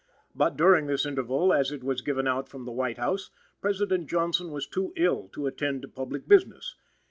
But, during this interval, as it was given out from the White House, President Johnson was too ill to attend to public business.